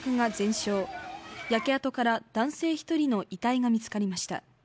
焼け跡から男性１人の遺体が見つかりました。